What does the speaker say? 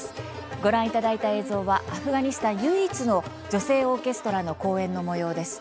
ご覧いただいた映像はアフガニスタン唯一の女性オーケストラの公演のもようです。